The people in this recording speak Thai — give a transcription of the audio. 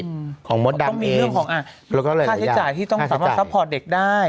นี่มีเรื่องของค่าใช้จ่ายที่ต้องสอบพอล์ตเด็กได้